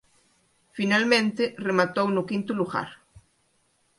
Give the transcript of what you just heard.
Finalmente rematou no quinto lugar.